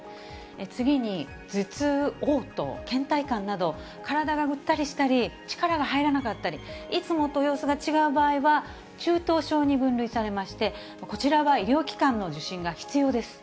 次に頭痛、おう吐、けん怠感など、体がぐったりしたり、力が入らなかったり、いつもと様子が違う場合は、中等症に分類されまして、こちらは医療機関の受診が必要です。